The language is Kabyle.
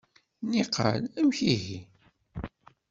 Niqal amek ihi?